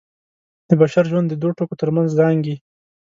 د بشر ژوند د دوو ټکو تر منځ زانګي.